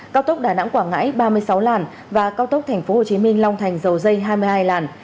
cao tốc đà nẵng quảng ngãi ba mươi sáu làn và cao tốc tp hcm long thành dầu dây hai mươi hai làn